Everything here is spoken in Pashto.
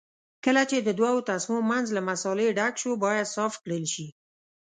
کله چې د دوو تسمو منځ له مسالې ډک شو باید صاف کړل شي.